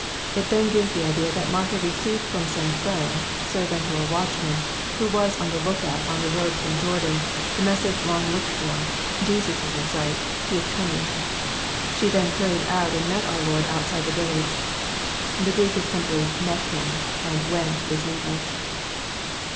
It then gives the idea that Martha received A:om some firiend, servant, or watchman, who was on the lookout on the road fl om Jor dan, the message long looked for, '< Jesus is in sight:" <' He is coming." She then hurried out, and met our Lord outside the village. The Greek is simply, met Him ;" and *' went " is needless.